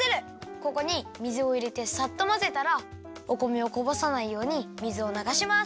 ここに水をいれてさっとまぜたらお米をこぼさないように水をながします。